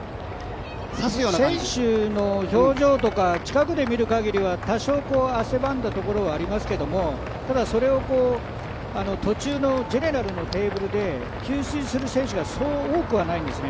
選手の表情とか近くで見る限りは多少、汗ばんだところはありますけど、それを途中のゼネラルのテーブルで給水する選手がそう多くはないんですね。